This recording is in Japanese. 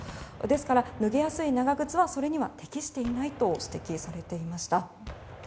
ですから、脱げやすい長靴はそれには適していないと指摘されていました。